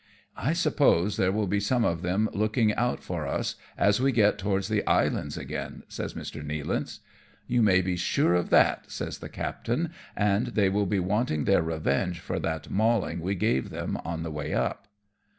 " I suppose there will be some of them looking out for us as we get down towards the islands again," says Mr. Nealance. "You may be sure of that," says the captain, "and they will be wanting their revenge for that mauling we gave them on the way up."